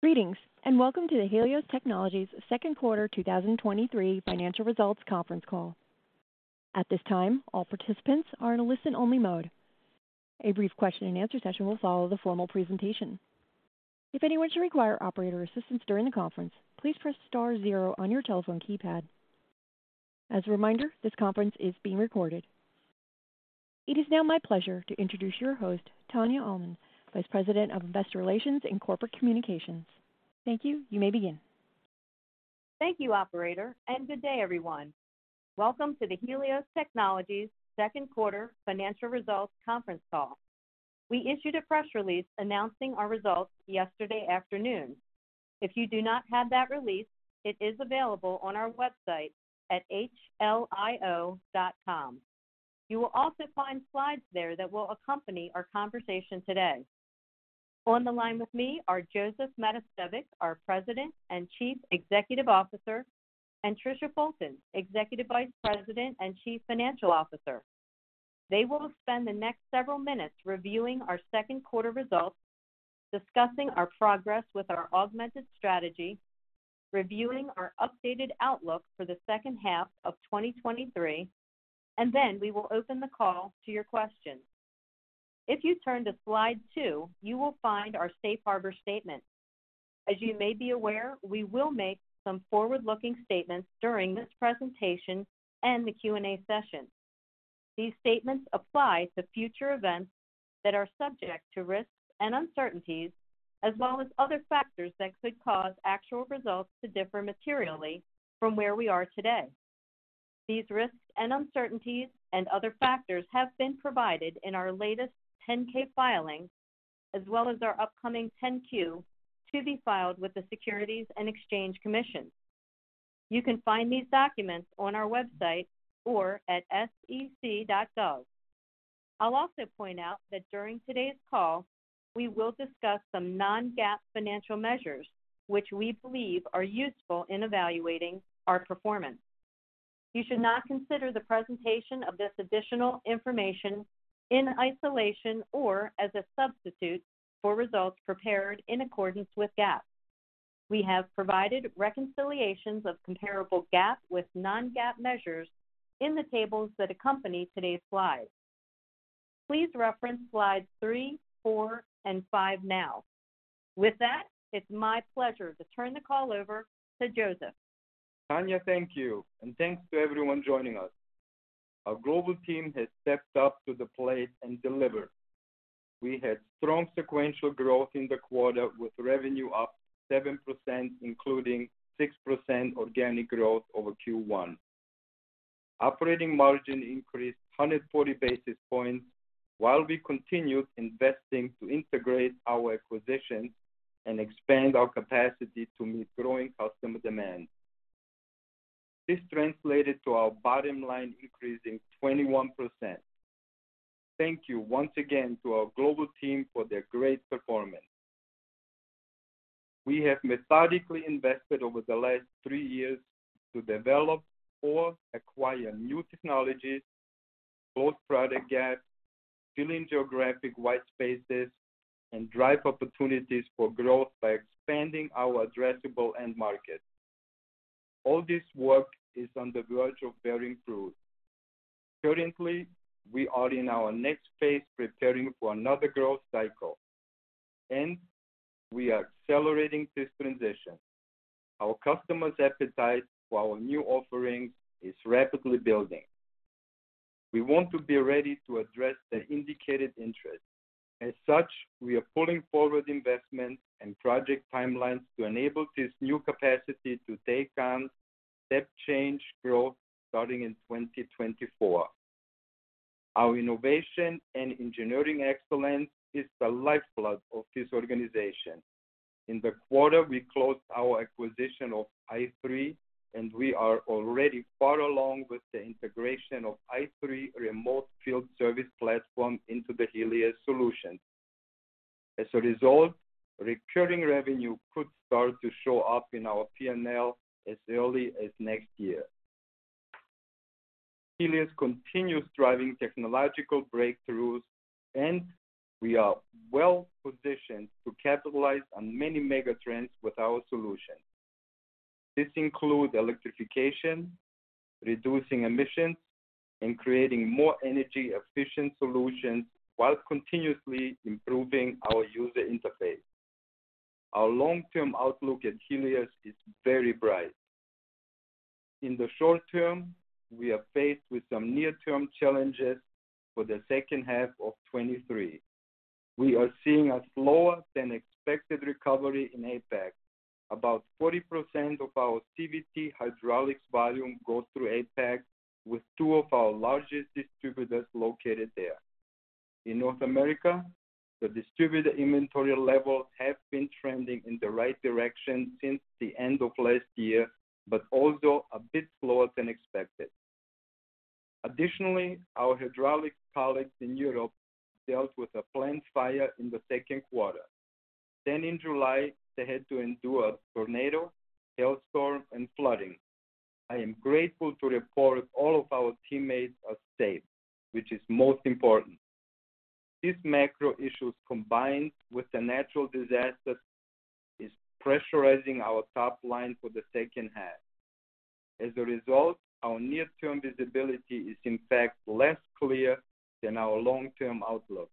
Greetings. Welcome to the Helios Technologies Second Quarter 2023 Financial Results Conference Call. At this time, all participants are in a listen-only mode. A brief question-and-answer session will follow the formal presentation. If anyone should require operator assistance during the conference, please press star zero on your telephone keypad. As a reminder, this conference is being recorded. It is now my pleasure to introduce your host, Tania Almond, Vice President of Investor Relations and Corporate Communications. Thank you. You may begin. Thank you, operator. Good day, everyone. Welcome to the Helios Technologies Second Quarter Financial Results Conference Call. We issued a press release announcing our results yesterday afternoon. If you do not have that release, it is available on our website at hlio.com. You will also find slides there that will accompany our conversation today. On the line with me are Josef Matosevic, our President and Chief Executive Officer, and Tricia Fulton, Executive Vice President and Chief Financial Officer. They will spend the next several minutes reviewing our second quarter results, discussing our progress with our augmented strategy, reviewing our updated outlook for the second half of 2023. Then we will open the call to your questions. If you turn to slide two, you will find our safe harbor statement. As you may be aware, we will make some forward-looking statements during this presentation and the Q&A session. These statements apply to future events that are subject to risks and uncertainties, as well as other factors that could cause actual results to differ materially from where we are today. These risks and uncertainties and other factors have been provided in our latest 10-K filing, as well as our upcoming 10-Q to be filed with the Securities and Exchange Commission. You can find these documents on our website or at sec.gov. I'll also point out that during today's call, we will discuss some non-GAAP financial measures, which we believe are useful in evaluating our performance. You should not consider the presentation of this additional information in isolation or as a substitute for results prepared in accordance with GAAP. We have provided reconciliations of comparable GAAP with non-GAAP measures in the tables that accompany today's slides. Please reference slides three, four, and five now. With that, it's my pleasure to turn the call over to Josef. Tania, thank you. Thanks to everyone joining us. Our global team has stepped up to the plate and delivered. We had strong sequential growth in the quarter, with revenue up 7%, including 6% organic growth over Q1. Operating margin increased 140 basis points, while we continued investing to integrate our acquisitions and expand our capacity to meet growing customer demand. This translated to our bottom line increasing 21%. Thank you once again to our global team for their great performance. We have methodically invested over the last three years to develop or acquire new technologies, close product gaps, fill in geographic white spaces, and drive opportunities for growth by expanding our addressable end market. All this work is on the verge of bearing fruit. Currently, we are in our next phase, preparing for another growth cycle, and we are accelerating this transition. Our customers' appetite for our new offerings is rapidly building. We want to be ready to address the indicated interest. As such, we are pulling forward investments and project timelines to enable this new capacity to take on step change growth starting in 2024. Our innovation and engineering excellence is the lifeblood of this organization. In the quarter, we closed our acquisition of i3, and we are already far along with the integration of i3 remote field service platform into the Helios solution. As a result, recurring revenue could start to show up in our P&L as early as next year. Helios continues driving technological breakthroughs, and we are well positioned to capitalize on many mega trends with our solution. This includes electrification, reducing emissions, and creating more energy-efficient solutions while continuously improving our user interface. Our long-term outlook at Helios is very bright. In the short term, we are faced with some near-term challenges for the second half of 2023. We are seeing a slower than expected recovery in APAC. About 40% of our CVT Hydraulics volume goes through APAC, with two of our largest distributors located there. In North America, the distributor inventory levels have been trending in the right direction since the end of last year, but also a bit slower than expected. Additionally, our Hydraulic colleagues in Europe dealt with a plant fire in the second quarter. In July, they had to endure a tornado, hailstorm, and flooding. I am grateful to report all of our teammates are safe, which is most important. These macro issues, combined with the natural disasters, is pressurizing our top line for the second half. As a result, our near-term visibility is in fact less clear than our long-term outlook.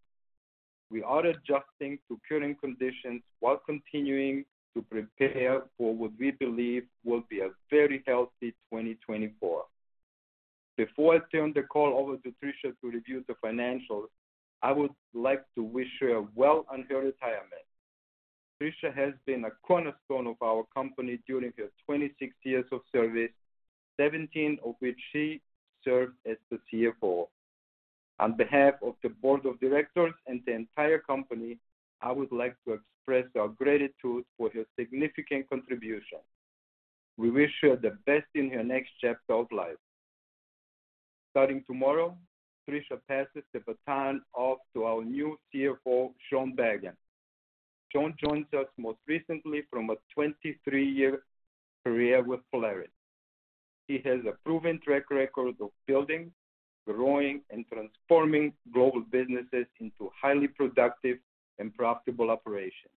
We are adjusting to current conditions while continuing to prepare for what we believe will be a very healthy 2024. Before I turn the call over to Tricia to review the financials, I would like to wish her well on her retirement. Tricia has been a cornerstone of our company during her 26 years of service, 17 years of which she served as the CFO. On behalf of the Board of Directors and the entire company, I would like to express our gratitude for her significant contribution. We wish her the best in her next chapter of life. Starting tomorrow, Tricia passes the baton off to our new CFO, Sean Bagan. Sean joins us most recently from a 23-year career with Polaris. He has a proven track record of building, growing, and transforming global businesses into highly productive and profitable operations.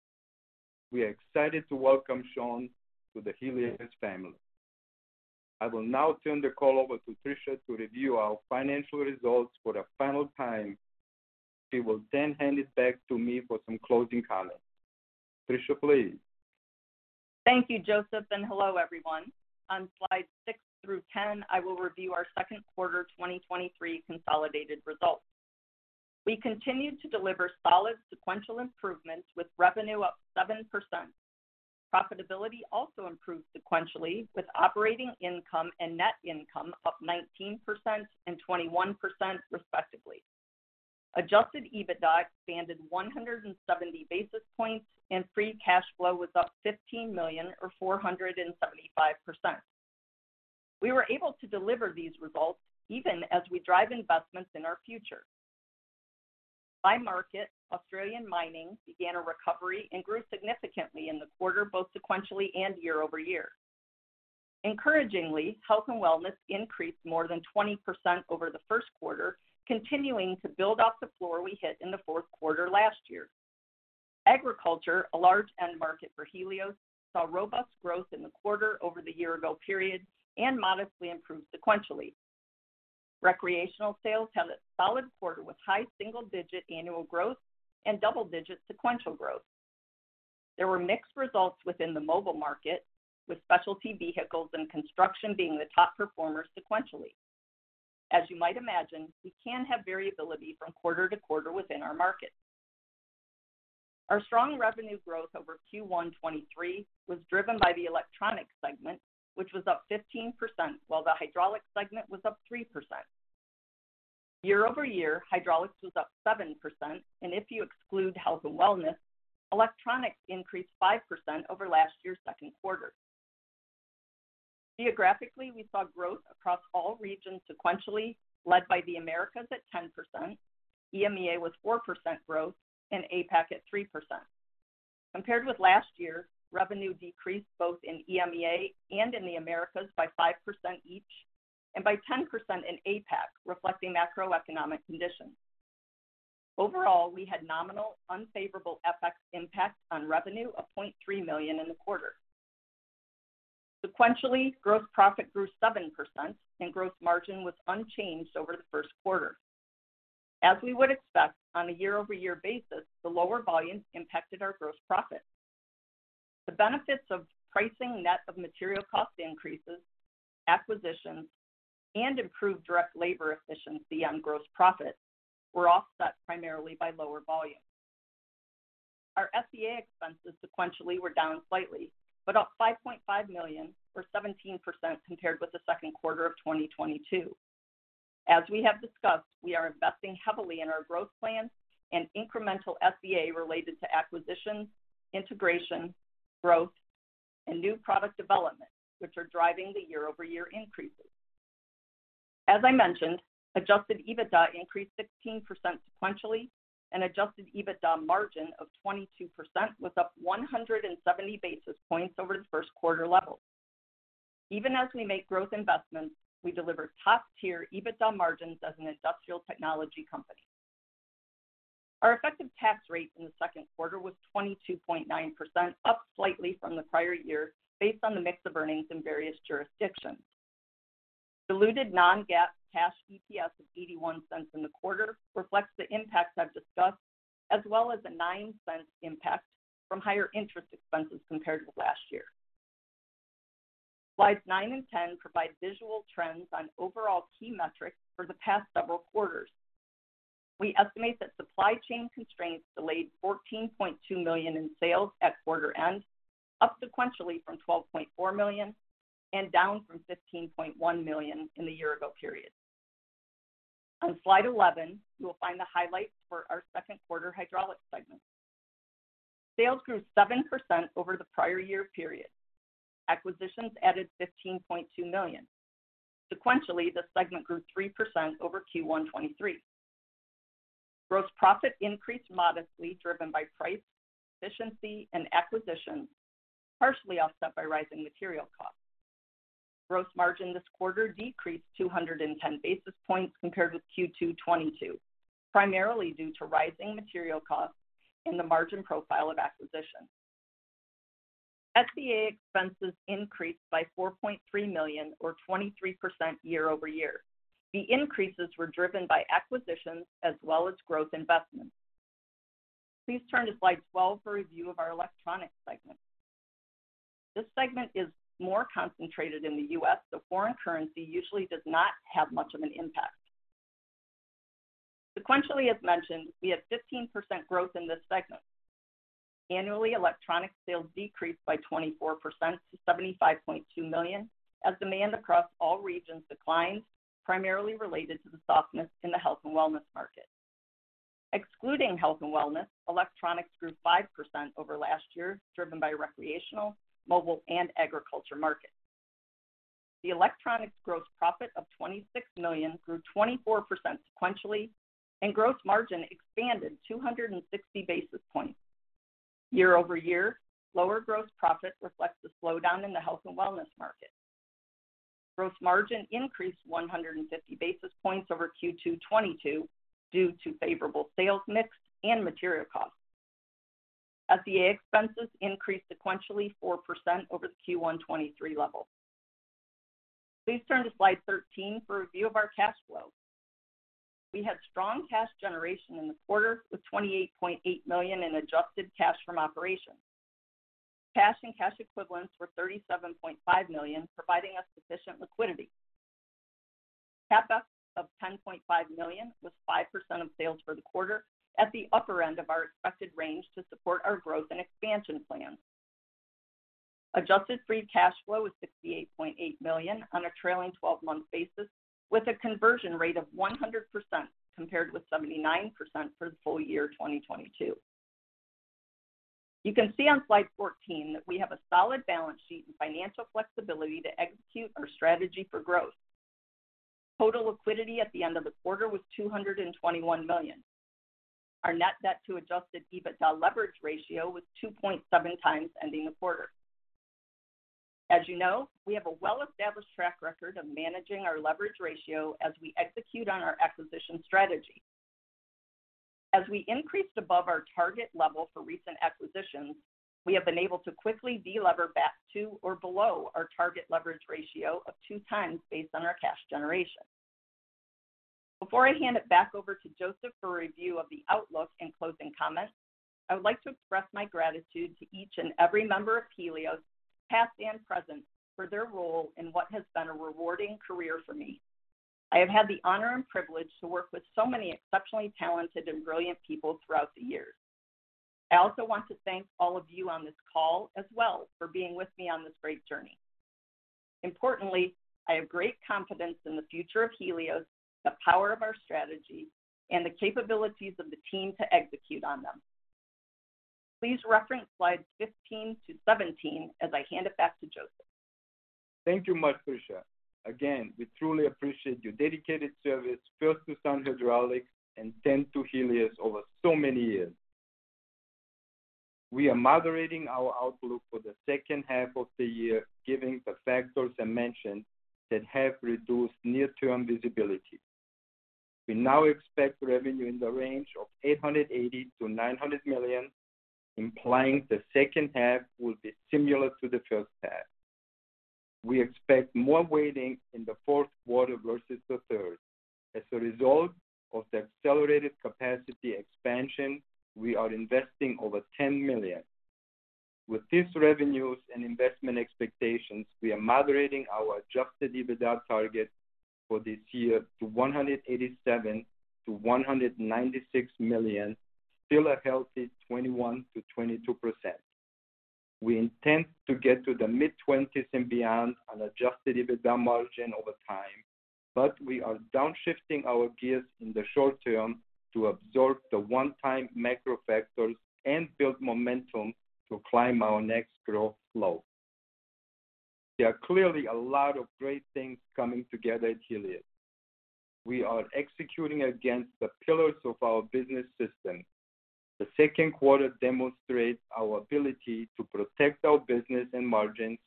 We are excited to welcome Sean to the Helios family. I will now turn the call over to Tricia to review our financial results for the final time. She will hand it back to me for some closing comments. Tricia, please. Thank you, Josef. Hello, everyone. On slides six through 10, I will review our second quarter 2023 consolidated results. We continued to deliver solid sequential improvements with revenue up 7%. Profitability also improved sequentially, with operating income and net income up 19% and 21% respectively. Adjusted EBITDA expanded 170 basis points, and free cash flow was up $15 million or 475%. We were able to deliver these results even as we drive investments in our future. By market, Australian mining began a recovery and grew significantly in the quarter, both sequentially and year-over-year. Encouragingly, health and wellness increased more than 20% over the first quarter, continuing to build off the floor we hit in the fourth quarter last year. Agriculture, a large end market for Helios, saw robust growth in the quarter over the year-ago period and modestly improved sequentially. Recreational sales had a solid quarter with high single-digit annual growth and double-digit sequential growth. There were mixed results within the mobile market, with specialty vehicles and construction being the top performers sequentially. As you might imagine, we can have variability from quarter-to-quarter within our market. Our strong revenue growth over Q1 2023 was driven by the Electronic segment, which was up 15%, while the Hydraulics segment was up 3%. Year-over-year, Hydraulics was up 7%, and if you exclude health and wellness, Electronics increased 5% over last year's second quarter. Geographically, we saw growth across all regions sequentially, led by the Americas at 10%. EMEA was 4% growth and APAC at 3%. Compared with last year, revenue decreased both in EMEA and in the Americas by 5% each, and by 10% in APAC, reflecting macroeconomic conditions. Overall, we had nominal, unfavorable FX impact on revenue of $0.3 million in the quarter. Sequentially, gross profit grew 7%, and gross margin was unchanged over the first quarter. As we would expect on a year-over-year basis, the lower volume impacted our gross profit. The benefits of pricing net of material cost increases, acquisitions, and improved direct labor efficiency on gross profit were offset primarily by lower volume. Our SEA expenses sequentially were down slightly, but up $5.5 million, or 17% compared with the second quarter of 2022. As we have discussed, we are investing heavily in our growth plans and incremental SEA related to acquisitions, integration, growth, and new product development, which are driving the year-over-year increases. As I mentioned, adjusted EBITDA increased 16% sequentially, and adjusted EBITDA margin of 22% was up 170 basis points over the first quarter level. Even as we make growth investments, we deliver top-tier EBITDA margins as an industrial technology company. Our effective tax rate in the second quarter was 22.9%, up slightly from the prior year based on the mix of earnings in various jurisdictions. Diluted non-GAAP cash EPS of $0.81 in the quarter reflects the impacts I've discussed, as well as a $0.09 impact from higher interest expenses compared to last year. Slides nine and 10 provide visual trends on overall key metrics for the past several quarters. We estimate that supply chain constraints delayed $14.2 million in sales at quarter end, up sequentially from $12.4 million and down from $15.1 million in the year-ago period. On slide 11, you will find the highlights for our second quarter Hydraulics segment. Sales grew 7% over the prior year period. Acquisitions added $15.2 million. Sequentially, the segment grew 3% over Q1 2023. Gross profit increased modestly, driven by price, efficiency, and acquisitions, partially offset by rising material costs. Gross margin this quarter decreased 210 basis points compared with Q2 2022, primarily due to rising material costs and the margin profile of acquisition. SEA expenses increased by $4.3 million, or 23% year-over-year. The increases were driven by acquisitions as well as growth investments. Please turn to slide 12 for a review of our Electronics segment. This segment is more concentrated in the U.S., so foreign currency usually does not have much of an impact. Sequentially, as mentioned, we had 15% growth in this segment. Annually, Electronic sales decreased by 24% to $75.2 million, as demand across all regions declined, primarily related to the softness in the health and wellness market. Excluding health and wellness, Electronics grew 5% over last year, driven by recreational, mobile, and agriculture markets. The Electronics gross profit of $26 million grew 24% sequentially, and gross margin expanded 260 basis points. Year-over-year, lower gross profit reflects the slowdown in the health and wellness market. Gross margin increased 150 basis points over Q2 2022 due to favorable sales mix and material costs. SEA expenses increased sequentially 4% over the Q1 2023 level. Please turn to slide 13 for a review of our cash flow. We had strong cash generation in the quarter, with $28.8 million in adjusted cash from operations. Cash and cash equivalents were $37.5 million, providing us sufficient liquidity. CapEx of $10.5 million, was 5% of sales for the quarter, at the upper end of our expected range to support our growth and expansion plans. Adjusted free cash flow was $68.8 million on a trailing 12-month basis, with a conversion rate of 100%, compared with 79% for the full year 2022. You can see on slide 14 that we have a solid balance sheet and financial flexibility to execute our strategy for growth. Total liquidity at the end of the quarter was $221 million. Our net debt to adjusted EBITDA leverage ratio was 2.7x, ending the quarter. As you know, we have a well-established track record of managing our leverage ratio as we execute on our acquisition strategy. As we increased above our target level for recent acquisitions, we have been able to quickly de-lever back to or below our target leverage ratio of 2x based on our cash generation. Before I hand it back over to Josef for a review of the outlook and closing comments, I would like to express my gratitude to each and every member of Helios, past and present, for their role in what has been a rewarding career for me. I have had the honor and privilege to work with so many exceptionally talented and brilliant people throughout the years. I also want to thank all of you on this call as well for being with me on this great journey. Importantly, I have great confidence in the future of Helios, the power of our strategy, and the capabilities of the team to execute on them. Please reference slides 15 to 17 as I hand it back to Josef. Thank you much, Tricia. Again, we truly appreciate your dedicated service, first to Sun Hydraulics and then to Helios over so many years. We are moderating our outlook for the second half of the year, giving the factors I mentioned that have reduced near-term visibility. We now expect revenue in the range of $880 million-$900 million, implying the second half will be similar to the first half. We expect more weighting in the fourth quarter versus the third. As a result of the accelerated capacity expansion, we are investing over $10 million. With these revenues and investment expectations, we are moderating our adjusted EBITDA target for this year to $187 million-$196 million, still a healthy 21%-22%. We intend to get to the mid-20s and beyond on adjusted EBITDA margin over time. We are downshifting our gears in the short term to absorb the one-time macro factors and build momentum to climb our next growth slope. There are clearly a lot of great things coming together at Helios. We are executing against the pillars of our business system. The second quarter demonstrates our ability to protect our business and margins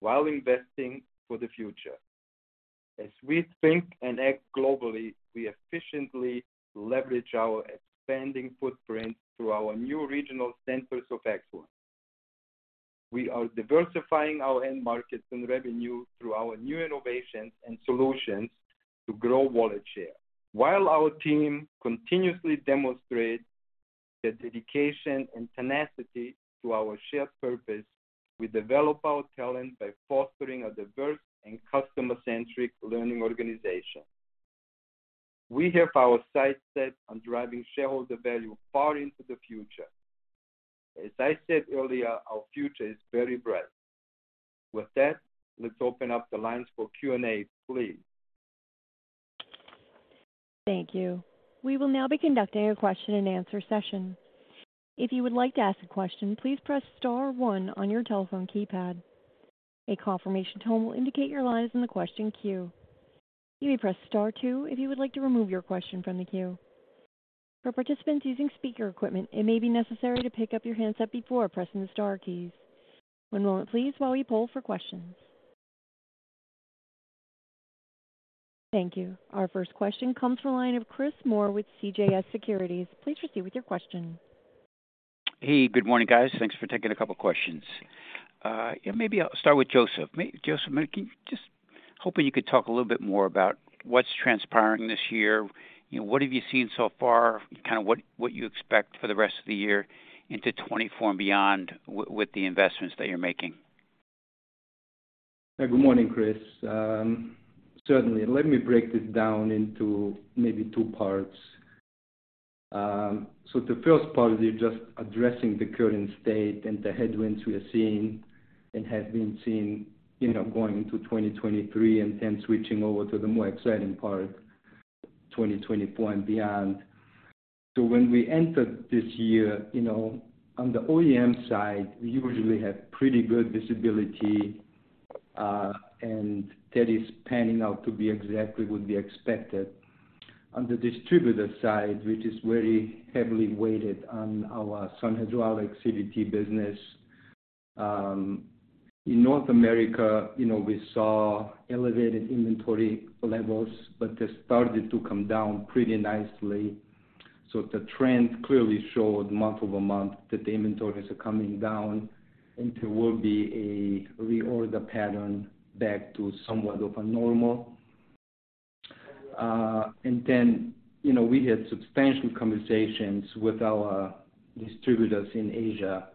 while investing for the future. As we think and act globally, we efficiently leverage our expanding footprint through our new regional Centers of Excellence. We are diversifying our end markets and revenue through our new innovations and solutions to grow wallet share. While our team continuously demonstrate their dedication and tenacity to our shared purpose, we develop our talent by fostering a diverse and customer-centric learning organization. We have our sights set on driving shareholder value far into the future. As I said earlier, our future is very bright. With that, let's open up the lines for Q&A, please. Thank you. We will now be conducting a question-and-answer session. If you would like to ask a question, please press star one on your telephone keypad. A confirmation tone will indicate your line is in the question queue. You may press star two if you would like to remove your question from the queue. For participants using speaker equipment, it may be necessary to pick up your handset before pressing the star keys. One moment, please, while we poll for questions. Thank you. Our first question comes from the line of Chris Moore with CJS Securities. Please proceed with your question. Hey, good morning, guys. Thanks for taking a couple questions. Yeah, maybe I'll start with Josef. Josef, can you-- Just hoping you could talk a little bit more about what's transpiring this year. You know, what have you seen so far? Kind of what, what you expect for the rest of the year into 2024 and beyond with, with the investments that you're making? Hey, good morning, Chris. Certainly, let me break this down into maybe two parts. The first part is just addressing the current state and the headwinds we are seeing and have been seeing, you know, going into 2023, and then switching over to the more exciting part, 2024 and beyond. When we entered this year, you know, on the OEM side, we usually have pretty good visibility, and that is panning out to be exactly what we expected. On the distributor side, which is very heavily weighted on our Sun Hydraulics CVT business, in North America, you know, we saw elevated inventory levels, but they started to come down pretty nicely. The trend clearly showed month-over-month that the inventories are coming down, and there will be a reorder pattern back to somewhat of a normal. Then, you know, we had substantial conversations with our distributors in Asia,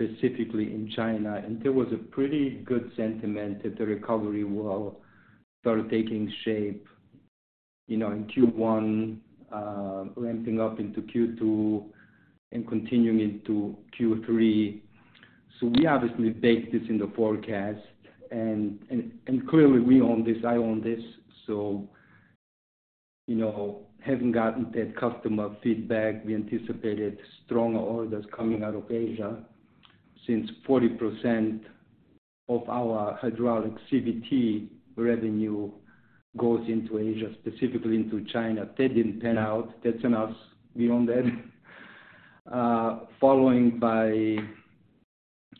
specifically in China, and there was a pretty good sentiment that the recovery will start taking shape, you know, in Q1, ramping up into Q2 and continuing into Q3. We obviously baked this in the forecast and, and, and clearly we own this, I own this. You know, having gotten that customer feedback, we anticipated stronger orders coming out of Asia, since 40% of our Hydraulic CVT revenue goes into Asia, specifically into China. That didn't pan out. That's on us. We own that. Following by,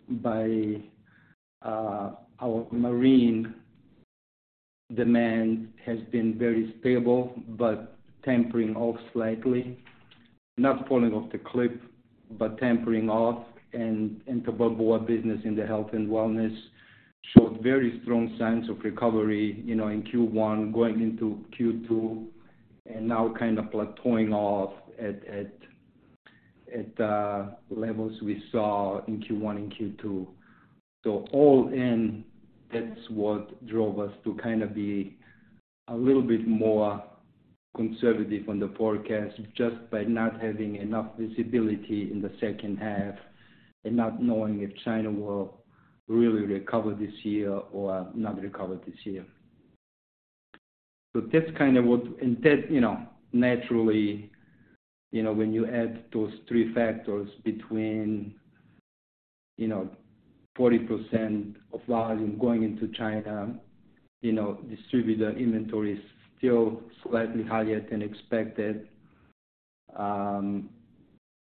by, our marine demand has been very stable, but tempering off slightly. Not falling off the cliff, but tempering off and, and the Balboa business in the health and wellness showed very strong signs of recovery, you know, in Q1, going into Q2, and now kind of plateauing off at, at, at levels we saw in Q1 and Q2. All in, that's what drove us to kind of be a little bit more conservative on the forecast, just by not having enough visibility in the second half and not knowing if China will really recover this year or not recover this year. That's kind of. That, you know, naturally, you know, when you add those three factors between, you know, 40% of volume going into China, you know, distributor inventory is still slightly higher than expected.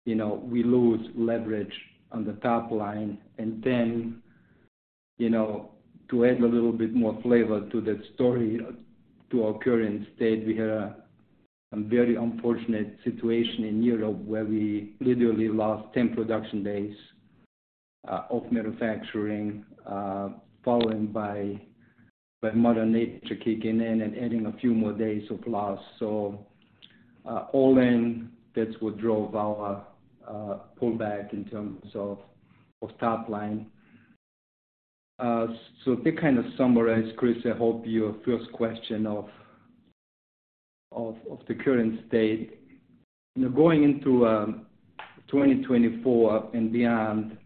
You know, we lose leverage on the top line and then, you know, to add a little bit more flavor to that story, to our current state, we had a very unfortunate situation in Europe where we literally lost 10 production days of manufacturing, followed by mother nature kicking in and adding a few more days of loss. All in, that's what drove our pullback in terms of top line. That kind of summarize, Chris, I hope, your first question of the current state. You know, going into 2024 and beyond,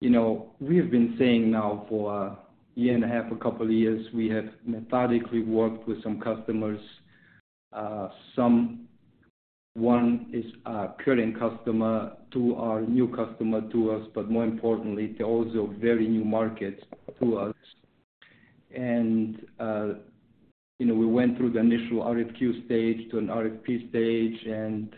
you know, we have been saying now for a year and a half, a couple of years, we have methodically worked with some customers. One is a current customer to our new customer to us, but more importantly, they're also a very new market to us. You know, we went through the initial RFQ stage to an RFP stage, and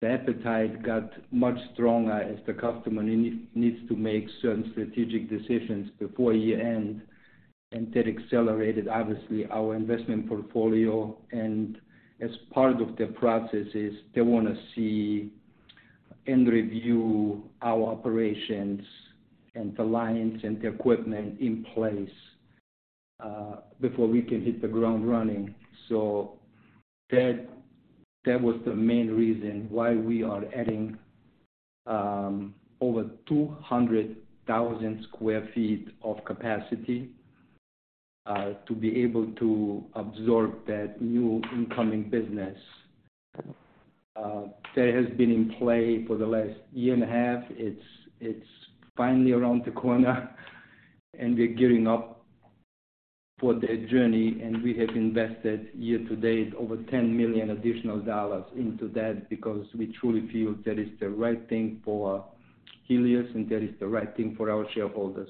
the appetite got much stronger as the customer needs to make certain strategic decisions before year-end. That accelerated, obviously, our investment portfolio. As part of the processes, they wanna see and review our operations and the lines and the equipment in place before we can hit the ground running. That, that was the main reason why we are adding over 200,000 sq ft of capacity to be able to absorb that new incoming business. That has been in play for the last 1.5 years. It's, it's finally around the corner, and we're gearing up for that journey, and we have invested year to date over $10 million additional dollars into that, because we truly feel that is the right thing for Helios, and that is the right thing for our shareholders.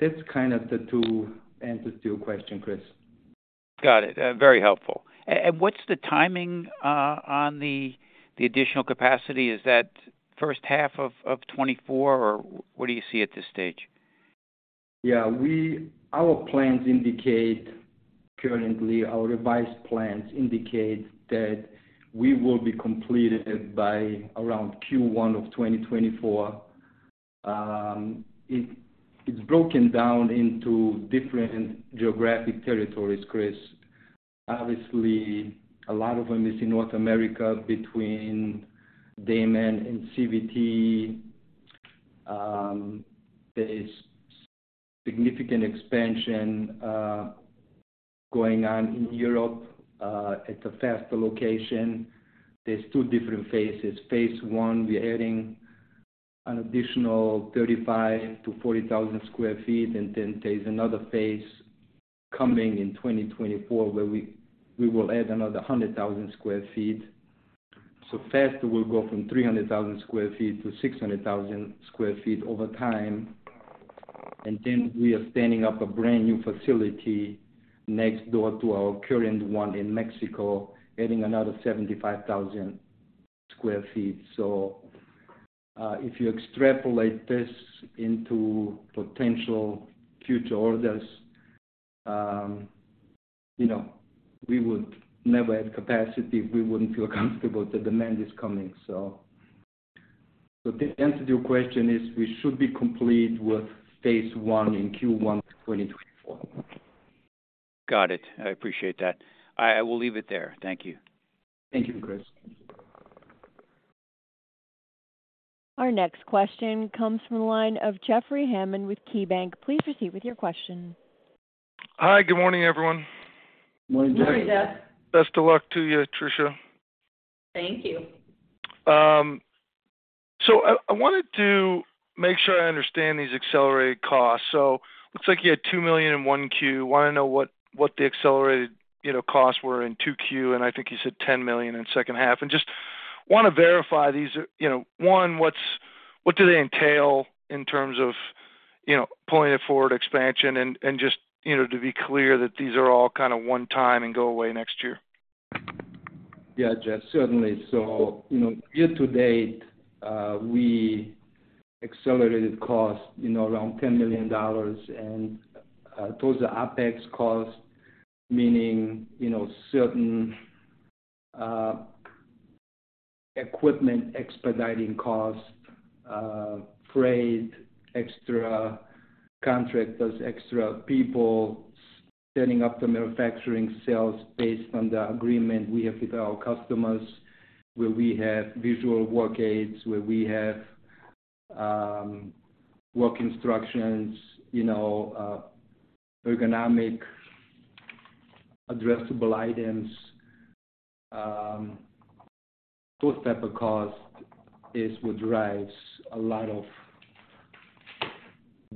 That's kind of the two answers to your question, Chris. Got it. Very helpful. What's the timing, on the additional capacity? Is that first half of 2024, or what do you see at this stage? Yeah, our plans indicate, currently, our revised plans indicate that we will be completed by around Q1 of 2024. It's broken down into different geographic territories, Chris. Obviously, a lot of them is in North America between Daman and CVT. There is significant expansion going on in Europe at the Faster location. There's two different phases. Phase one, we're adding an additional 35,000 sq ft-40,000 sq ft, then there's another phase coming in 2024, where we, we will add another 100,000 sq ft. Faster, we'll go from 300,000 sq ft to 600,000 sq ft over time. Then we are standing up a brand-new facility next door to our current one in Mexico, adding another 75,000 sq ft. If you extrapolate this into potential future orders, you know, we would never add capacity if we wouldn't feel comfortable the demand is coming. The answer to your question is, we should be complete with phase one in Q1 2024. Got it. I appreciate that. I, I will leave it there. Thank you. Thank you, Chris. Our next question comes from the line of Jeffrey Hammond with KeyBanc. Please proceed with your question. Hi, good morning, everyone. Morning, Jeff. Good morning, Jeff. Best of luck to you, Tricia. Thank you. I, I wanted to make sure I understand these accelerated costs. Looks like you had $2 million in Q1. Want to know what, what the accelerated, you know, costs were in Q2, and I think you said $10 million in second half. Just wanna verify these, you know, one, what do they entail in terms of, you know, pulling it forward expansion and, and just, you know, to be clear that these are all kind of one-time and go away next year? Yeah, Jeff, certainly. You know, year to date, we accelerated costs, you know, around $10 million. Those are OpEx costs, meaning, you know, certain equipment, expediting costs, freight, extra contractors, extra people, standing up the manufacturing cells based on the agreement we have with our customers, where we have visual work aids, where we have work instructions, you know, ergonomic addressable items. Those type of costs is, which drives a lot of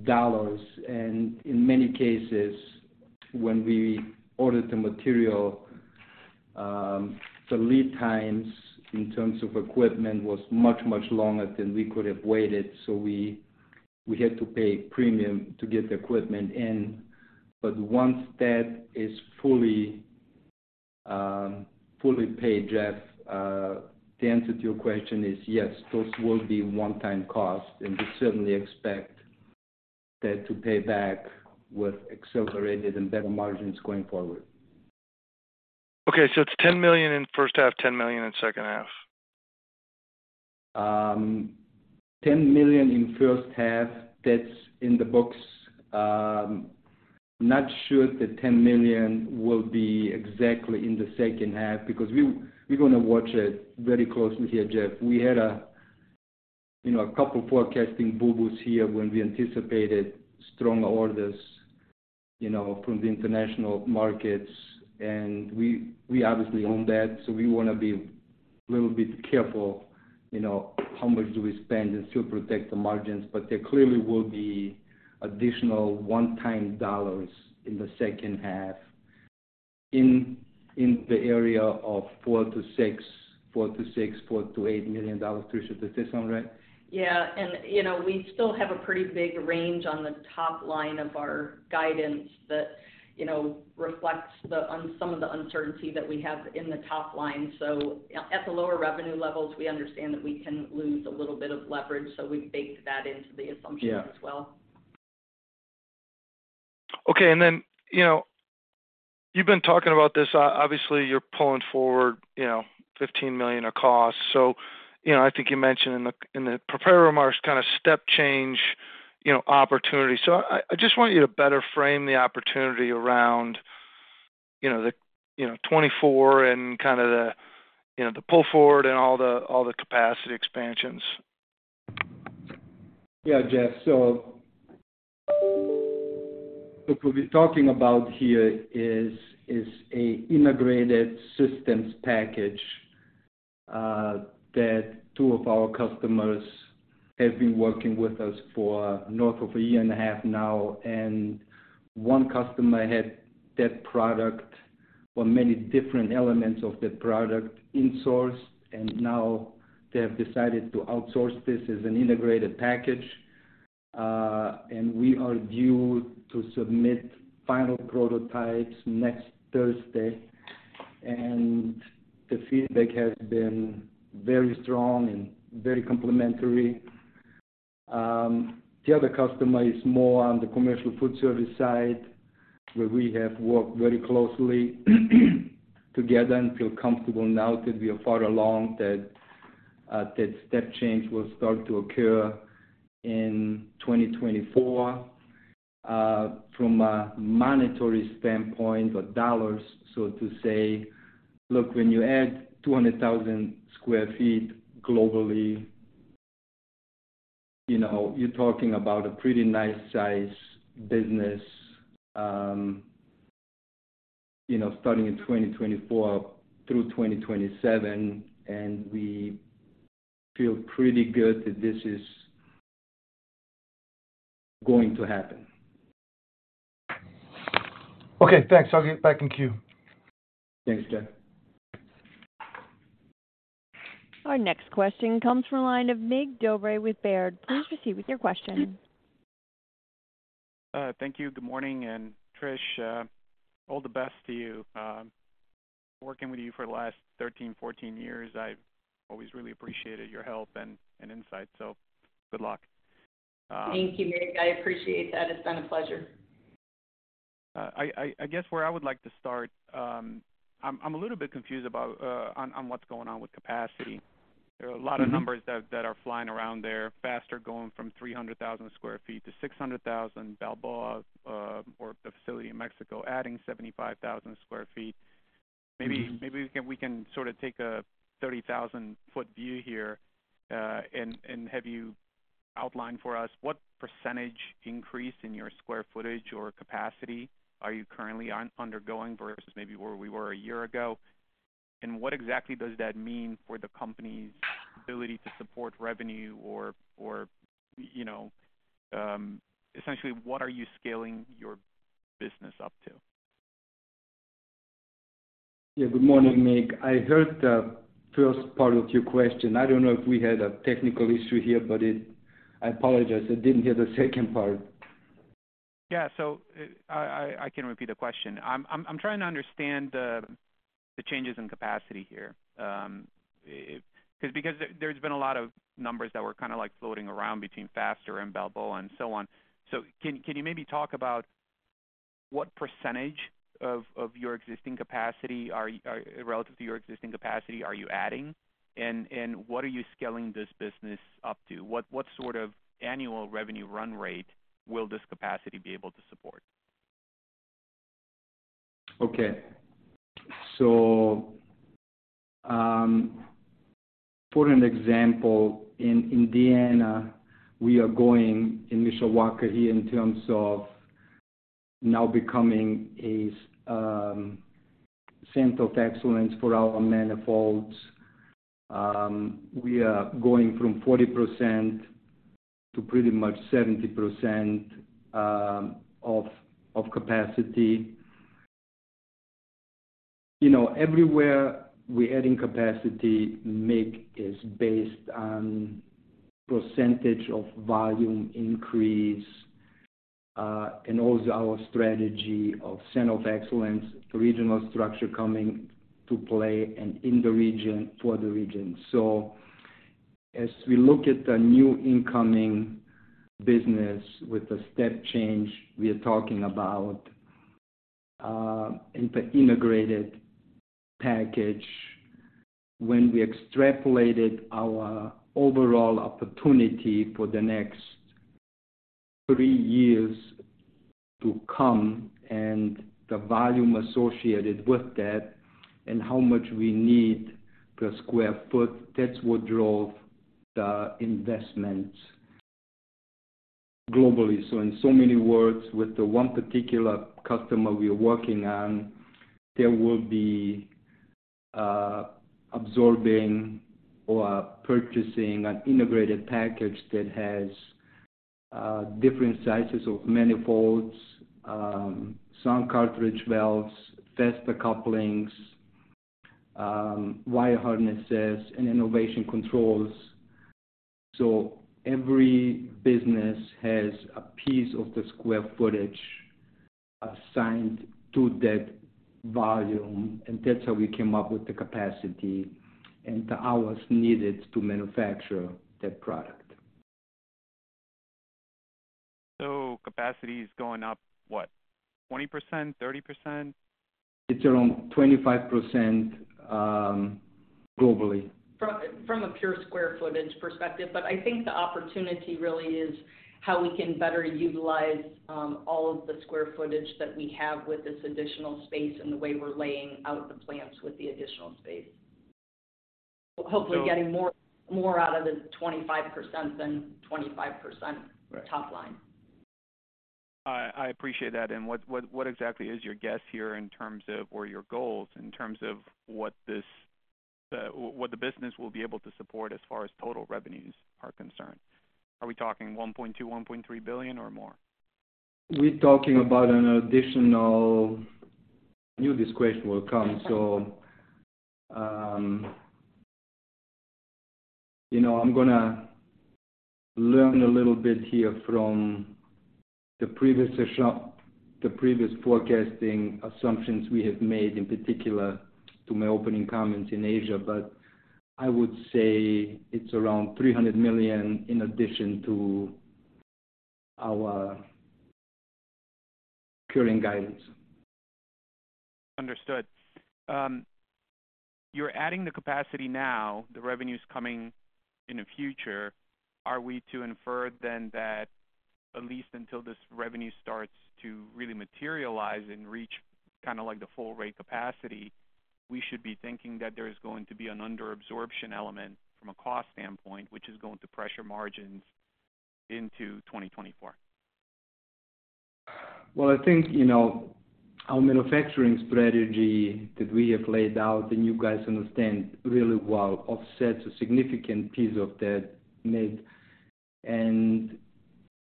dollars, and in many cases, when we ordered the material, the lead times in terms of equipment was much, much longer than we could have waited, so we, we had to pay premium to get the equipment in. Once that is fully, fully paid, Jeff, the answer to your question is yes, those will be one-time costs, and we certainly expect that to pay back with accelerated and better margins going forward. Okay, it's $10 million in first half, $10 million in second half? $10 million in first half, that's in the books. Not sure the $10 million will be exactly in the second half, because we, we're gonna watch it very closely here, Jeff. We had a, you know, a couple forecasting boo-boos here when we anticipated strong orders, you know, from the international markets, and we, we obviously own that, so we wanna be a little bit careful, you know, how much do we spend and still protect the margins. There clearly will be additional one-time dollars in the second half in, in the area of $4 million-$6 million, $4 million-$6 million, $4 million-$8 million. Tricia, does this sound right? Yeah, you know, we still have a pretty big range on the top line of our guidance that, you know, reflects the uncertainty that we have in the top line. At the lower revenue levels, we understand that we can lose a little bit of leverage, so we baked that into the assumptions as well. Yeah. Okay, then, you know, you've been talking about this, obviously you're pulling forward, you know, $15 million of costs. You know, I think you mentioned in the, in the prepared remarks, kind of step change, you know, opportunity. I, I just want you to better frame the opportunity around, you know, the, you know, 2024 and kind of the, you know, the pull forward and all the, all the capacity expansions. Yeah, Jeff. What we've been talking about here is, is a integrated systems package that two of our customers have been working with us for north of 1.5 years now, and one customer had that product for many different elements of the product insourced, and now they have decided to outsource this as an integrated package. We are due to submit final prototypes next Thursday, and the feedback has been very strong and very complimentary. The other customer is more on the commercial food service side, where we have worked very closely together and feel comfortable now that we are far along, that step change will start to occur in 2024. From a monetary standpoint or dollars, so to say, look, when you add 200,000 sq ft globally, you know, you're talking about a pretty nice size business, you know, starting in 2024-2027, and we feel pretty good that this is going to happen. Okay, thanks. I'll get back in queue. Thanks, Jeff. Our next question comes from the line of Mig Dobre with Baird. Please proceed with your question. Thank you. Good morning. Trish, all the best to you. Working with you for the last 13 years, 14 years, I've always really appreciated your help and insight. Good luck. Thank you, Mig. I appreciate that. It's been a pleasure. I, I, guess where I would like to start, I'm, I'm a little bit confused about on what's going on with capacity. Mm-hmm. There are a lot of numbers that, that are flying around there, Faster, going from 300,000 sq ft to 600,000 sq ft. Balboa, or the facility in Mexico, adding 75,000 sq ft. Mm-hmm. Maybe, maybe we can, we can sort of take a 30,000 foot view here, and, and have you outline for us what percentage increase in your square footage or capacity are you currently on undergoing versus maybe where we were one year ago? What exactly does that mean for the company's ability to support revenue or, or, you know, essentially, what are you scaling your business up to? Yeah, good morning, Mig. I heard the first part of your question. I don't know if we had a technical issue here, but I apologize. I didn't hear the second part. Yeah. I, I, I can repeat the question. I'm, I'm, I'm trying to understand the, the changes in capacity here, because, because there's been a lot of numbers that were kind of like floating around between Faster and Balboa and so on. Can, can you maybe talk about what percentage of your existing capacity are you adding? And, and what are you scaling this business up to? What, what sort of annual revenue run rate will this capacity be able to support? Okay. For an example, in Indiana, we are going in Mishawaka here in terms of now becoming a Center of Excellence for our manifolds. We are going from 40% to pretty much 70% of capacity. You know, everywhere we're adding capacity, Mig, is based on percentage of volume increase, and also our strategy of Center of Excellence, the regional structure coming to play and in the region, for the region. As we look at the new incoming business with the step change, we are talking about integrated package. When we extrapolated our overall opportunity for the next three years to come and the volume associated with that, and how much we need per square foot, that's what drove the investment globally. In so many words, with the one particular customer we are working on, there will be absorbing or purchasing an integrated package that has different sizes of manifolds, some cartridge valves, Faster couplings, wire harnesses and Enovation Controls. Every business has a piece of the square footage assigned to that volume, and that's how we came up with the capacity and the hours needed to manufacture that product. Capacity is going up, what? 20%, 30%? It's around 25%, globally. From a pure square footage perspective, but I think the opportunity really is how we can better utilize all of the square footage that we have with this additional space and the way we're laying out the plants with the additional space. So- Hopefully getting more, more out of the 25% than 25%- Right.... top line. I, I appreciate that. And what, what, what exactly is your guess here in terms of, or your goals, in terms of what the business will be able to support as far as total revenues are concerned? Are we talking $1.2 billion, $1.3 billion or more? We're talking about an additional... I knew this question will come, so, you know, I'm gonna learn a little bit here from the previous session, the previous forecasting assumptions we have made in particular to my opening comments in Asia. I would say it's around $300 million in addition to our current guidance. Understood. You're adding the capacity now, the revenue is coming in the future. Are we to infer then that at least until this revenue starts to really materialize and reach kind of like the full rate capacity, we should be thinking that there is going to be an under absorption element from a cost standpoint, which is going to pressure margins into 2024? Well, I think, you know, our manufacturing strategy that we have laid out, and you guys understand really well, offsets a significant piece of that, Mig.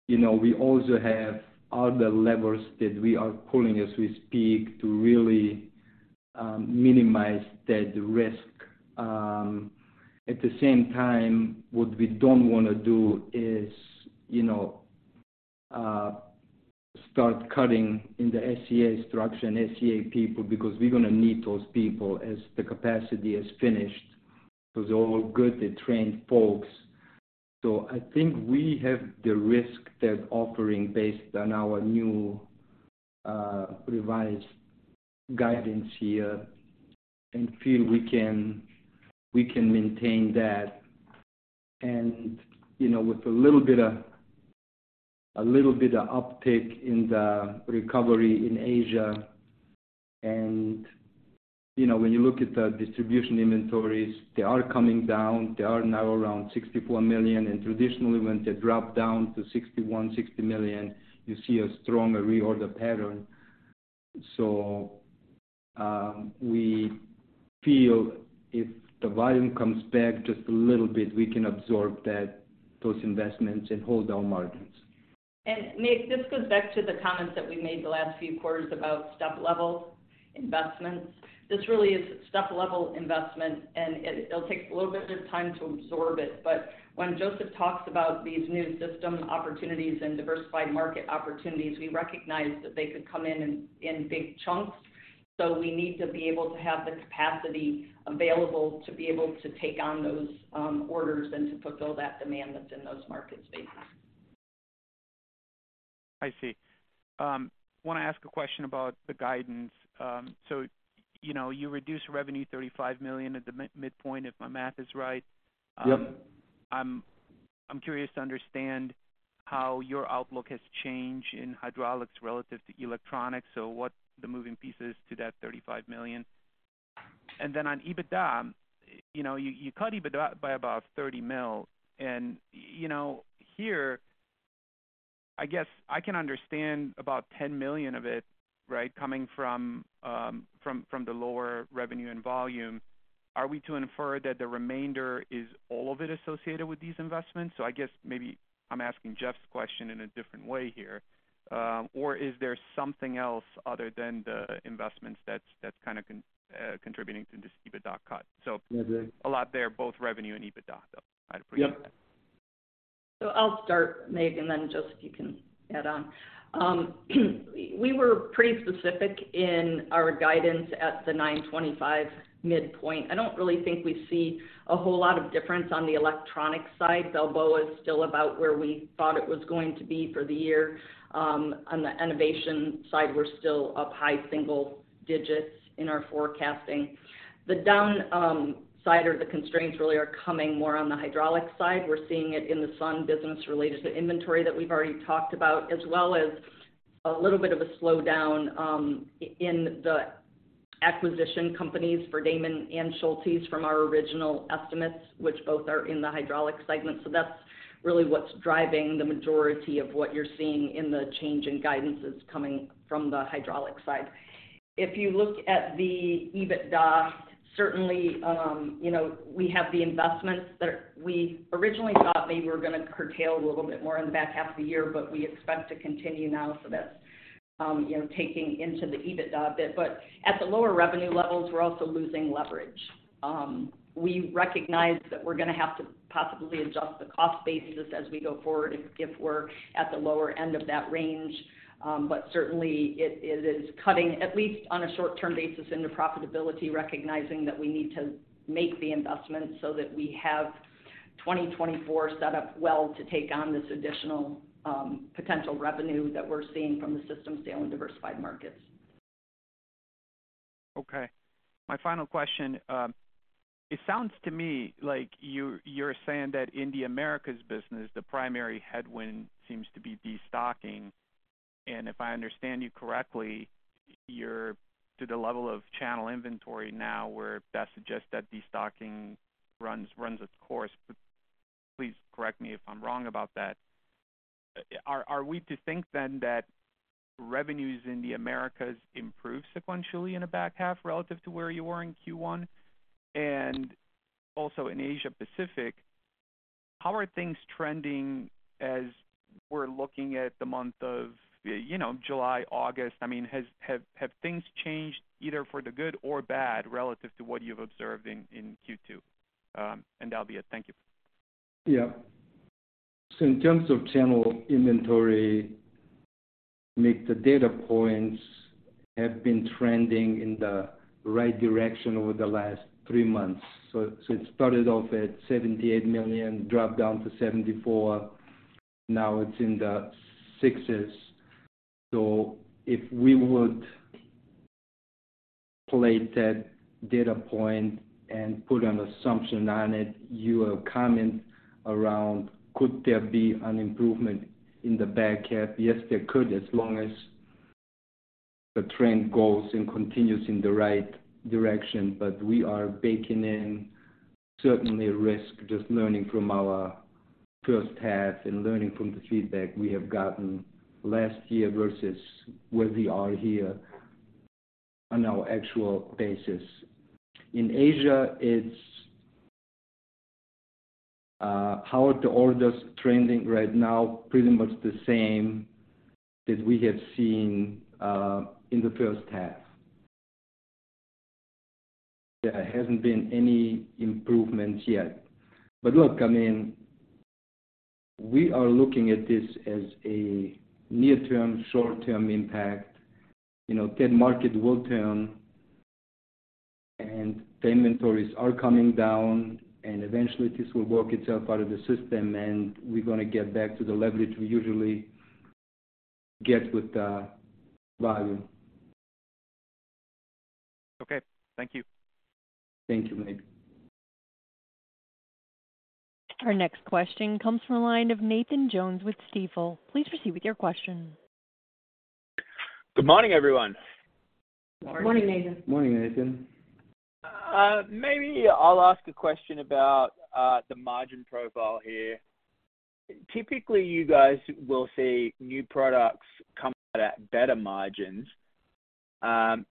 You know, we also have other levers that we are pulling as we speak to really minimize that risk. At the same time, what we don't want to do is, you know, start cutting in the SEA structure and SEA people, because we're going to need those people as the capacity is finished. Those are all good, they trained folks. I think we have the risk that offering based on our new revised guidance here, and feel we can, we can maintain that. You know, with a little bit of, a little bit of uptick in the recovery in Asia, and, you know, when you look at the distribution inventories, they are coming down. They are now around $64 million, and traditionally, when they drop down to $61 million, $60 million, you see a stronger reorder pattern. We feel if the volume comes back just a little bit, we can absorb that, those investments and hold our margins. Mig, this goes back to the comments that we made the last few quarters about step level investments. This really is a step-level investment, and it, it'll take a little bit of time to absorb it. But when Josef talks about these new system opportunities and diversified market opportunities, we recognize that they could come in in, in big chunks. So we need to be able to have the capacity available to be able to take on those orders and to fulfill that demand that's in those markets, Mig. I see. I want to ask a question about the guidance. You know, you reduced revenue $35 million at the midpoint, if my math is right. Yep. I'm curious to understand how your outlook has changed in Hydraulics relative to Electronics, so what the moving pieces to that $35 million? Then on EBITDA, you know, you cut EBITDA by about $30 million, and, you know, here, I guess I can understand about $10 million of it, right, coming from the lower revenue and volume. Are we to infer that the remainder is all of it associated with these investments? I guess maybe I'm asking Jeff's question in a different way here. Or is there something else other than the investments that's kind of contributing to this EBITDA cut? A lot there, both revenue and EBITDA, though, I'd appreciate that. Yep. I'll start, Mig, and then Josef, you can add on. We were pretty specific in our guidance at the $925 million midpoint. I don't really think we see a whole lot of difference on the Electronic side. Balboa is still about where we thought it was going to be for the year. On the innovation side, we're still up high single digits in our forecasting. The down side, or the constraints really are coming more on the Hydraulics side. We're seeing it in the Sun business related to inventory that we've already talked about, as well as a little bit of a slowdown in the acquisition companies for Daman and Schultes from our original estimates, which both are in the Hydraulics segment. That's really what's driving the majority of what you're seeing in the change in guidance that's coming from the Hydraulics side. If you look at the EBITDA, certainly, you know, we have the investments that we originally thought maybe were going to curtail a little bit more in the back half of the year, but we expect to continue now. That's, you know, taking into the EBITDA a bit. At the lower revenue levels, we're also losing leverage. We recognize that we're going to have to possibly adjust the cost basis as we go forward if, if we're at the lower end of that range. But certainly it, it is cutting, at least on a short-term basis, into profitability, recognizing that we need to make the investment so that we have 2024 set up well to take on this additional potential revenue that we're seeing from the systems sale and diversified markets. Okay. My final question: it sounds to me like you're, you're saying that in the Americas business, the primary headwind seems to be destocking. If I understand you correctly, you're to the level of channel inventory now, where that suggests that destocking runs, runs its course. Please correct me if I'm wrong about that. Are we to think then that revenues in the Americas improve sequentially in the back half relative to where you were in Q1? Also in Asia Pacific, how are things trending as we're looking at the month of, you know, July, August? I mean, have things changed either for the good or bad relative to what you've observed in Q2? That'll be it. Thank you. In terms of channel inventory, Mig, the data points have been trending in the right direction over the last three months. It started off at $78 million, dropped down to $74 million. Now it's in the 60s. If we would play that data point and put an assumption on it, your comment around, could there be an improvement in the back half? Yes, there could, as long as the trend goes and continues in the right direction. We are baking in certainly risk, just learning from our first half and learning from the feedback we have gotten last year versus where we are here on our actual basis. In Asia, it's, how are the orders trending right now? Pretty much the same that we have seen in the first half. There hasn't been any improvement yet, but look, I mean, we are looking at this as a near-term, short-term impact. You know, that market will turn, and the inventories are coming down, and eventually this will work itself out of the system, and we're gonna get back to the leverage we usually get with the volume. Okay. Thank you. Thank you, Mig. Our next question comes from the line of Nathan Jones with Stifel. Please proceed with your question. Good morning, everyone. Morning. Morning, Nathan. Morning, Nathan. Maybe I'll ask a question about the margin profile here. Typically, you guys will see new products come out at better margins.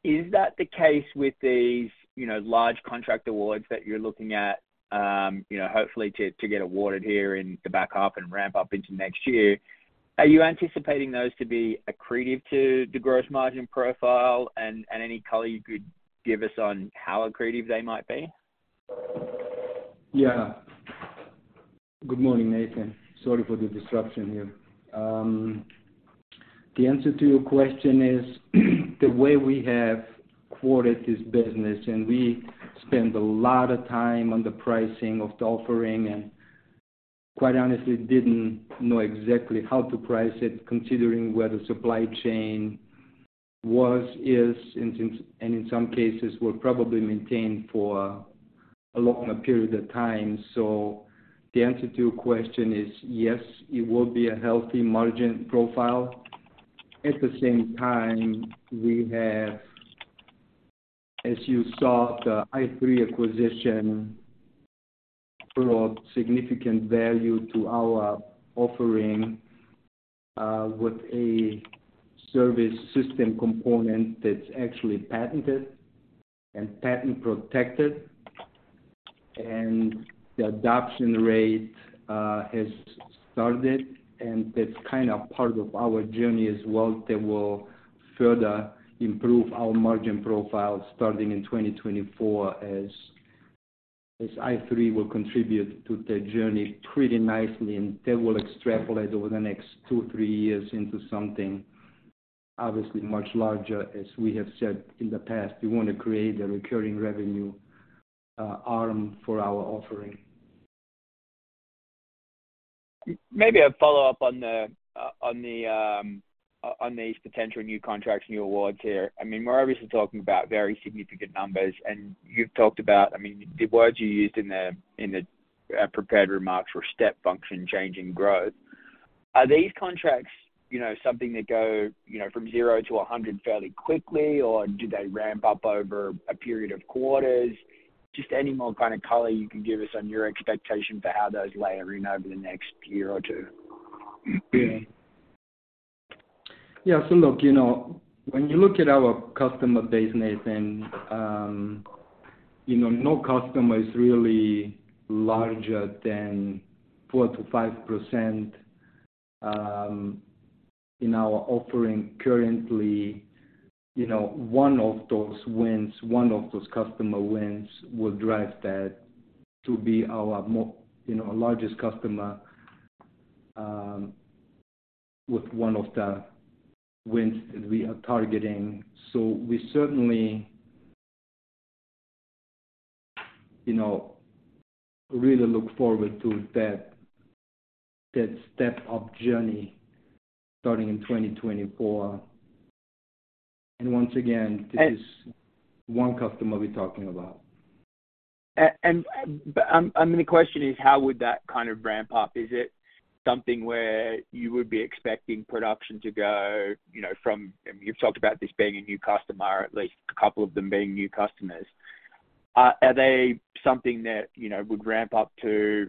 Is that the case with these, you know, large contract awards that you're looking at, you know, hopefully to, to get awarded here in the back half and ramp up into next year? Are you anticipating those to be accretive to the gross margin profile, and, and any color you could give us on how accretive they might be? Yeah. Good morning, Nathan. Sorry for the disruption here. The answer to your question is, the way we have quoted this business, and we spend a lot of time on the pricing of the offering, and quite honestly, didn't know exactly how to price it, considering where the supply chain was, is, and in, and in some cases will probably maintain for a longer period of time. The answer to your question is, yes, it will be a healthy margin profile. At the same time, we have, as you saw, the i3 acquisition brought significant value to our offering, with a service system component that's actually patented and patent-protected, and the adoption rate has started, and that's kind of part of our journey as well, that will further improve our margin profile starting in 2024, as, as i3 will contribute to the journey pretty nicely, and that will extrapolate over the next two or three years into something obviously much larger. As we have said in the past, we want to create a recurring revenue arm for our offering. Maybe a follow-up on the, on the, on these potential new contracts, new awards here. I mean, we're obviously talking about very significant numbers, and you've talked about, I mean, the words you used in the, in the, prepared remarks were step function, changing growth. Are these contracts, you know, something that go, you know, from zero to 100 fairly quickly, or do they ramp up over a period of quarters? Just any more kind of color you can give us on your expectation for how those layer in over the next year or two? Yeah, yeah, look, you know, when you look at our customer base, Nathan, you know, no customer is really larger than 4%-5% in our offering currently. You know, one of those wins, one of those customer wins, will drive that to be our, you know, largest customer, with one of the wins that we are targeting. We certainly, you know, really look forward to that, that step-up journey starting in 2024. Once again, this is one customer we're talking about. The question is: How would that kind of ramp up? Is it something where you would be expecting production to go, you know, from... You've talked about this being a new customer, or at least a couple of them being new customers. Are they something that, you know, would ramp up to,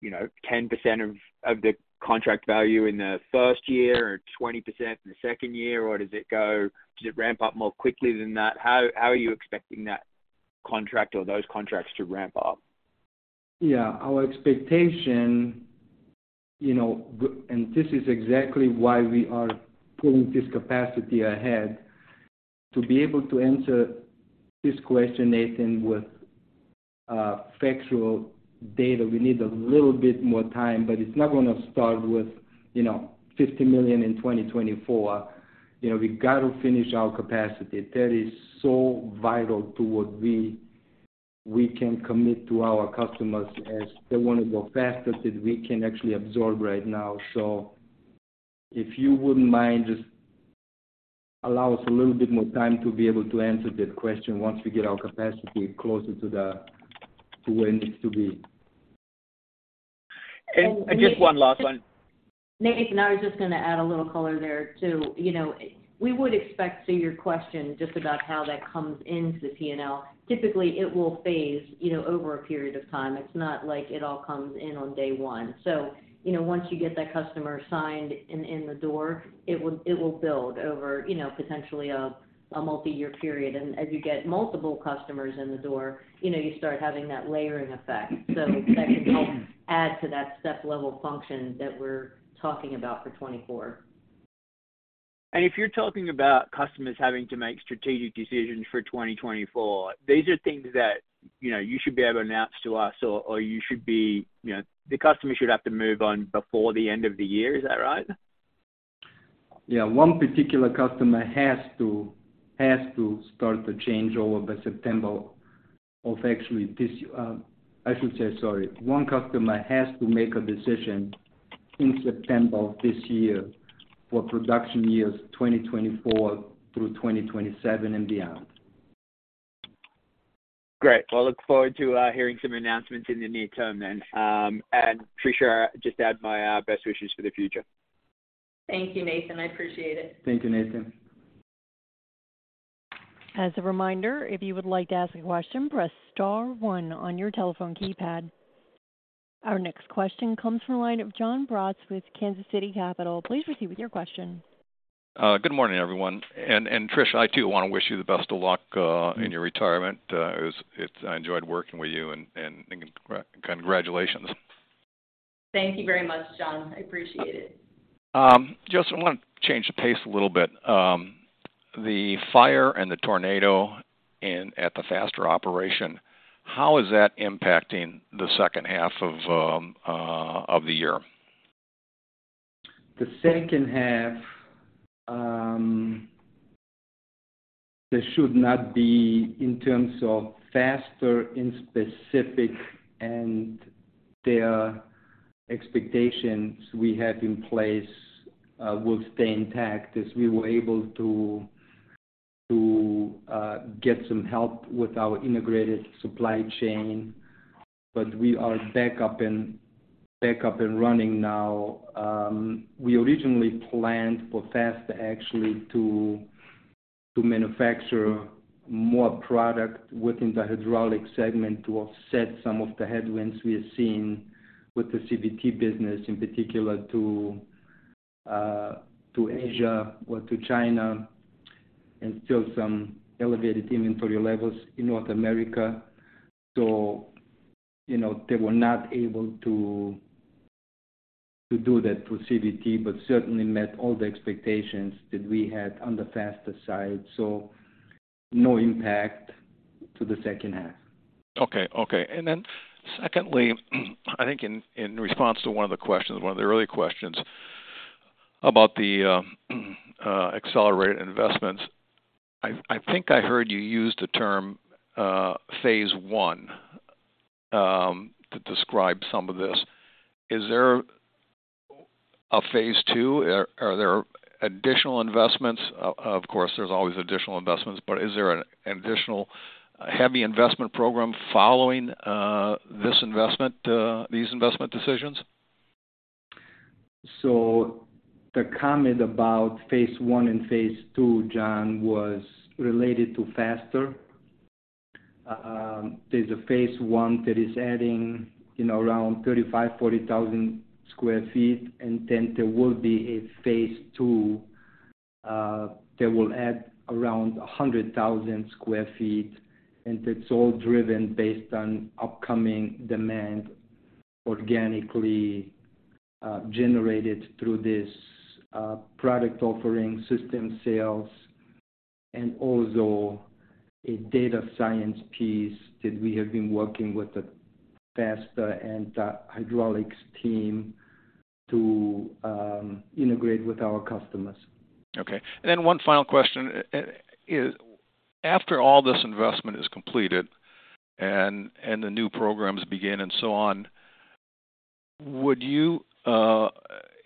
you know, 10% of, of the contract value in the first year or 20% in the second year? Or does it ramp up more quickly than that? How, how are you expecting that contract or those contracts to ramp up? Yeah, our expectation, you know, and this is exactly why we are pulling this capacity ahead. To be able to answer this question, Nathan, with factual data, we need a little bit more time, but it's not gonna start with, you know, $50 million in 2024. You know, we got to finish our capacity. That is so vital to what we, we can commit to our customers as they want to go faster than we can actually absorb right now. If you wouldn't mind, just allow us a little bit more time to be able to answer that question once we get our capacity closer to the, to where it needs to be. Just one last one. Nathan, I was just gonna add a little color there, too. You know, we would expect, to your question, just about how that comes into the P&L. Typically, it will phase, you know, over a period of time. It's not like it all comes in on day one. You know, once you get that customer signed in, in the door, it will, it will build over, you know, potentially a, a multi-year period. As you get multiple customers in the door, you know, you start having that layering effect. That can help add to that step-level function that we're talking about for 2024. If you're talking about customers having to make strategic decisions for 2024, these are things that, you know, you should be able to announce to us, or, or you know, the customer should have to move on before the end of the year. Is that right? Yeah. One particular customer has to, has to start the changeover by September of actually this, I should say, sorry, one customer has to make a decision in September of this year for production years 2024-2027 and beyond. Great. Well, I look forward to hearing some announcements in the near term then. Tricia, just add my best wishes for the future. Thank you, Nathan. I appreciate it. Thank you, Nathan. As a reminder, if you would like to ask a question, press star one on your telephone keypad. Our next question comes from the line of Jon Braatz with Kansas City Capital. Please proceed with your question. Good morning, everyone. Trish, I, too, want to wish you the best of luck in your retirement. It was. I enjoyed working with you, and congratulations. Thank you very much, Jon. I appreciate it. Just want to change the pace a little bit. The fire and the tornado in -- at the Faster operation, how is that impacting the second half of the year? The second half, there should not be in terms of Faster in specific, and their expectations we have in place, will stay intact as we were able to get some help with our integrated supply chain. We are back up and running now. We originally planned for Faster actually to manufacture more product within the Hydraulic segment to offset some of the headwinds we are seeing with the CVT business, in particular, to Asia or to China, and still some elevated inventory levels in North America. You know, they were not able to do that through CVT, but certainly met all the expectations that we had on the Faster side. No impact to the second half. Okay. Okay. Secondly, I think in, in response to one of the questions, one of the earlier questions about the accelerated investments, I, I think I heard you use the term phase one to describe some of this. Is there a phase two? Are, are there additional investments? Of, of course, there's always additional investments, but is there an additional heavy investment program following this investment, these investment decisions? The comment about phase one and phase two, Jon, was related to Faster. There's a phase one that is adding, you know, around 35,000 sq ft-40,000 sq ft, and then there will be a phase two that will add around 100,000 sq ft. It's all driven based on upcoming demand, organically, generated through this, product offering system sales and also a data science piece that we have been working with the Faster and the Hydraulics team to integrate with our customers. Okay. Then one final question. After all this investment is completed and, and the new programs begin and so on, would you...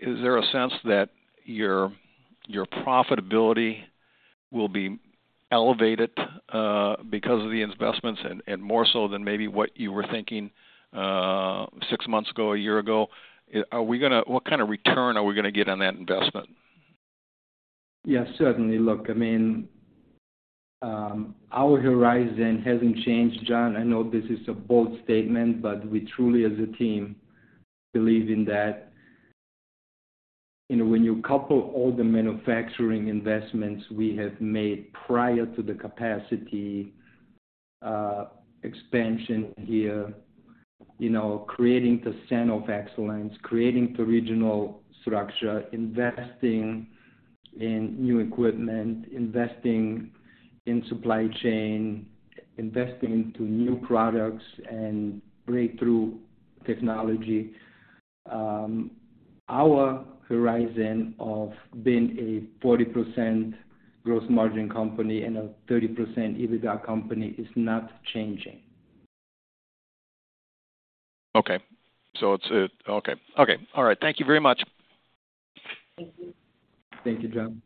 Is there a sense that your, your profitability will be elevated, because of the investments and, and more so than maybe what you were thinking, six months ago, a year ago? What kind of return are we gonna get on that investment? Yeah, certainly. Look, I mean, our horizon hasn't changed, Jon. I know this is a bold statement, but we truly, as a team, believe in that. You know, when you couple all the manufacturing investments we have made prior to the capacity, expansion here, you know, creating the Center of Excellence, creating the regional structure, investing in new equipment, investing in supply chain, investing into new products and breakthrough technology, our horizon of being a 40% gross margin company and a 30% EBITDA company is not changing. Okay. Okay. Okay. All right. Thank you very much. Thank you, Jon.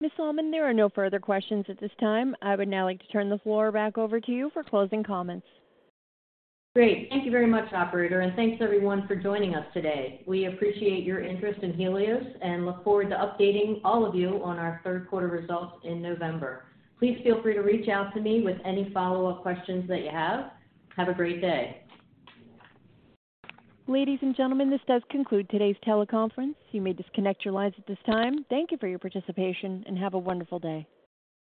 Ms. Almond, there are no further questions at this time. I would now like to turn the floor back over to you for closing comments. Great. Thank you very much, operator, thanks everyone for joining us today. We appreciate your interest in Helios and look forward to updating all of you on our third quarter results in November. Please feel free to reach out to me with any follow-up questions that you have. Have a great day. Ladies and gentlemen, this does conclude today's teleconference. You may disconnect your lines at this time. Thank you for your participation, and have a wonderful day.